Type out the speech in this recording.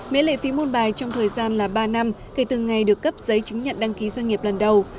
miễn lệ phí môn bài trong thời gian là ba năm kể từ ngày được cấp giấy chứng nhận đăng ký doanh nghiệp lần đầu